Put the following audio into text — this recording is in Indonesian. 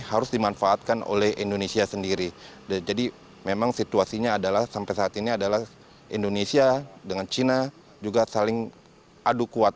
harus dimanfaatkan oleh indonesia sendiri jadi memang situasinya adalah sampai saat ini adalah indonesia dengan cina juga saling adu kuat